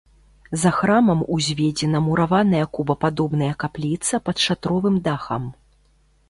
За храмам узведзена мураваная кубападобная капліца пад шатровым дахам.